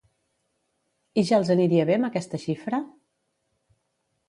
I ja els aniria bé amb aquesta xifra?